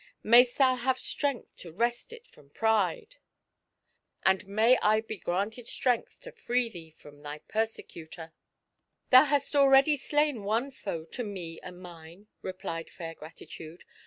Mayst thou have strength to wrest it from Pride! " And may I be granted strength to free thee from thy persecutor!'* FAIR GRATITUDE. 119 " Thou hast ahready slain one foe to me and mine," replied Fair Gratitude.